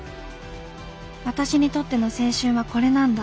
私にとっての青春はこれなんだ